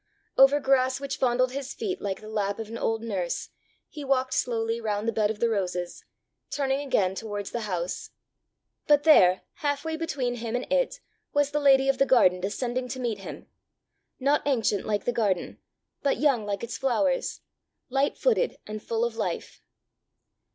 Over grass which fondled his feet like the lap of an old nurse, he walked slowly round the bed of the roses, turning again towards the house. But there, half way between him and it, was the lady of the garden descending to meet him! not ancient like the garden, but young like its flowers, light footed, and full of life.